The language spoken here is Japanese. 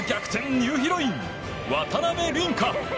ニューヒロイン渡辺倫果。